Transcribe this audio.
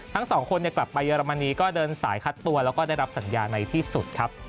ทั้งสองคนกลับไปเยอรมนีก็เดินสายคัดตัวแล้วก็ได้รับสัญญาในที่สุดครับ